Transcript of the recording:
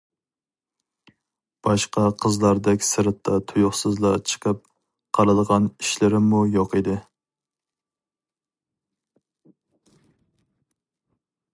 باشقا قىزلاردەك سىرتتا تۇيۇقسىزلا چىقىپ قالىدىغان ئىشلىرىممۇ يوق ئىدى.